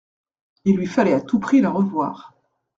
Il lui fallait à tout prix la revoir.